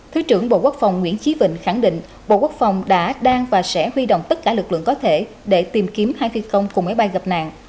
thứ trưởng bộ quốc phòng nguyễn chí vịnh khẳng định bộ quốc phòng đã đang và sẽ huy động tất cả lực lượng có thể để tìm kiếm hai phi công cùng máy bay gặp nạn